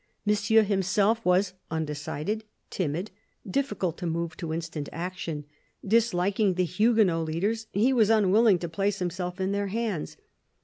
Monsieur himself was undecided, timid, difficult to move to instant action. Disliking the Huguenot leaders, he was unwilling to place himself in their hands.